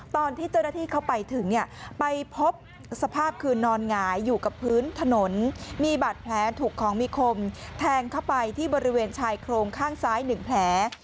ตอนที่เจ้าหน้าที่เข้าไปถึงเนี่ยไปพบสภาพคือนอนหงายอยู่กับพื้นถนนมีบาดแผลถูกของมีคมแทงเข้าไปที่บริเวณชายโครงข้างซ้าย๑แผล